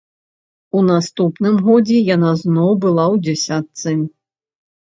У наступным годзе яна зноў была ў дзесятцы.